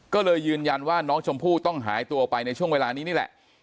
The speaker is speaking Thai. ก็เลยยืนยันว่าน้องชมพู่ต้องหายตัวไปในช่วงเวลานี้นี่แหละ